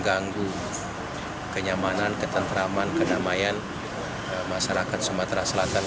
ganggu kenyamanan ketentraman kedamaian masyarakat sumatera selatan